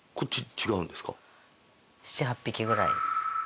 ７８匹ぐらい。